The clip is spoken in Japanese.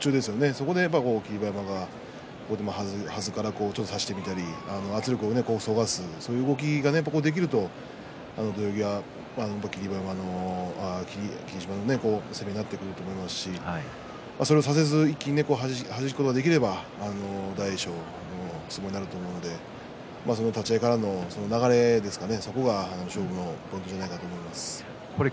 そこで霧馬山がはずから差してみたり圧力を急がすそういう動きができると土俵際、霧馬山の霧島の攻めになってくると思いますしそれをさせずに、はじくことができれば大栄翔の相撲になると思うので立ち合いからの流れですかね